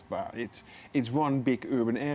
itu adalah satu area urban besar